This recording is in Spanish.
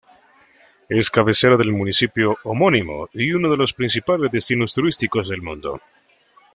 Es cabecera del municipio homónimo y uno de los principales destinos turísticos del mundo.